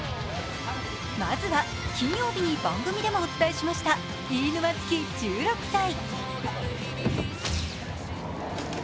まずは金曜日に番組でもお伝えしました飯沼月光１６歳。